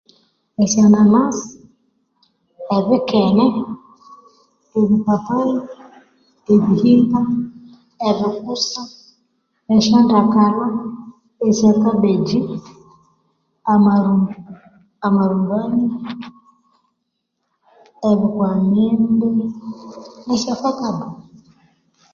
Esyananasi ebikene ebipapayi ebihimba ebikusa esyandakalha esyakabbejji amaruu amarumbani ebikwamimbi nesyaffakado